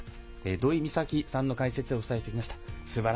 土居美咲さんの解説でお伝えしてきました。